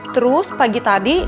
terus pagi tadi